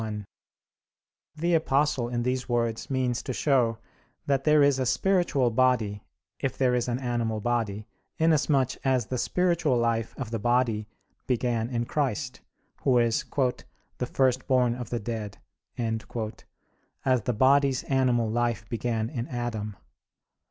1: The Apostle in these words means to show that there is a spiritual body, if there is an animal body, inasmuch as the spiritual life of the body began in Christ, who is "the firstborn of the dead," as the body's animal life began in Adam.